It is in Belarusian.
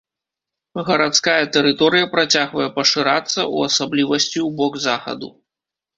Гарадская тэрыторыя працягвае пашырацца, у асаблівасці, у бок захаду.